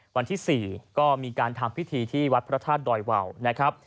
วันที่๔ก็มีการทำพิธีที่วัดพระธาตุดอยวาวนะครับ